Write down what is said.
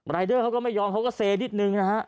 เดอร์เขาก็ไม่ยอมเขาก็เซนิดนึงนะฮะ